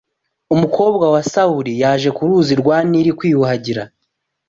umukobwa wa Farawo yaje ku Ruzi rwa Nili kwiyuhagira